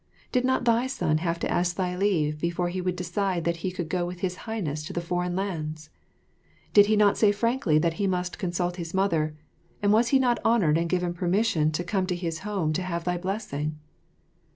Did not thy son have to ask thy leave before he would decide that he could go with His Highness to the foreign lands? Did he not say frankly that he must consult his mother, and was he not honoured and given permission to come to his home to have thy blessing?